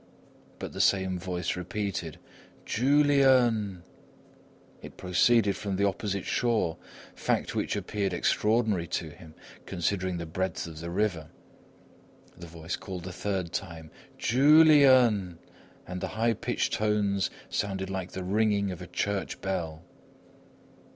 But the same voice repeated: "Julian!" It proceeded from the opposite shore, a fact which appeared extraordinary to him, considering the breadth of the river. The voice called a third time: "Julian!" And the high pitched tones sounded like the ringing of a church bell.